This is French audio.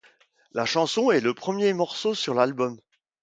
La chanson est le premier morceau sur l'album.